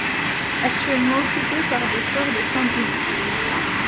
Actuellement occupé par des sœurs de Saint Bruno.